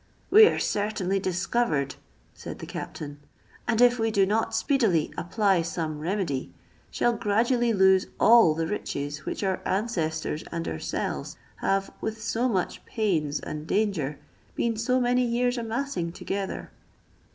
"We are certainly discovered," said the captain, "and if we do not speedily apply some remedy, shall gradually lose all the riches which our ancestors and ourselves have, with so much pains and danger, been so many years amassing together.